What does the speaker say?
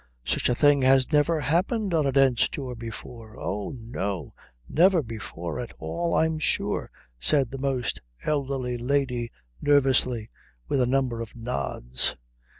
"Such a thing has never happened on a Dent's Tour before oh, no, never before at all I'm sure," said the most elderly lady nervously, with a number of nods.